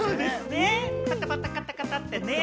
カタカタ、カタカタってね。